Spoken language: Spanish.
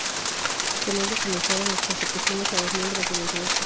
Con ella comenzaron las persecuciones a los miembros de la Iglesia.